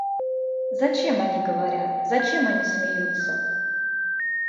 Зачем они говорят, зачем они смеются?